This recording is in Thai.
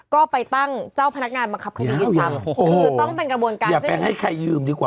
ก็ไปตั้งเจ้าพนักงานมาขับคณียนต์ซ้ำ